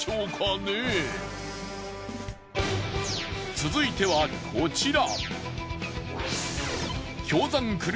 続いてはこちら。